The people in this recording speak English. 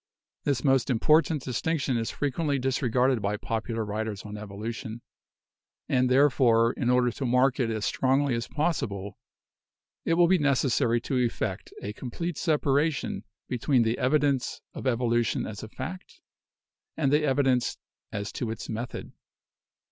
This most important dis tinction is frequently disregarded by popular writers on evolution, and, therefore, in order to mark it as strongly as possible, it will be necessary to effect a complete separa tion between the evidence of evolution as a fact, and the evidence as to its method.